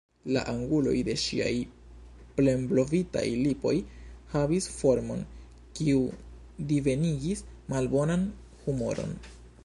La anguloj de ŝiaj plenblovitaj lipoj havis formon, kiu divenigis malbonan humoron.